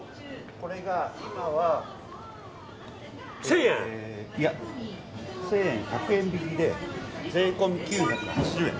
これが今は１０００円が１００円引きで税込み９８０円。